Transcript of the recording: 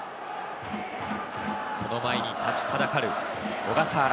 その前に立ちはだかる小笠原。